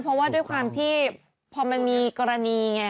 เพราะว่าด้วยความที่พอมันมีกรณีไง